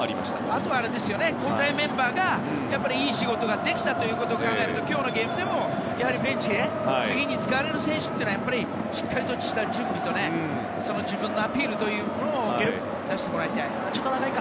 あとは交代メンバーがいい仕事ができたことを考えると今日のゲームでも、ベンチで次に使われる選手はしっかりした準備と自分のアピールポイントを出してもらいたい。